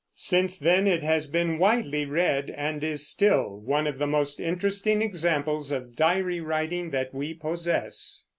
Since then it has been widely read, and is still one of the most interesting examples of diary writing that we possess.